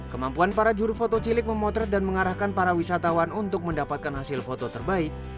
kemampuan para juru foto cilik memotret dan mengarahkan para wisatawan untuk mendapatkan hasil foto terbaik